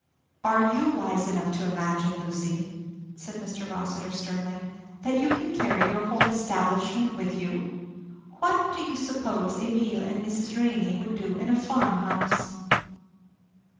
"Are you wise enough to imagine, Lucy," said Mr. Rossitur sternly, "that you can carry your whole establishment with you? What do you suppose Emile and Mrs. Renney would do in a farmhouse?"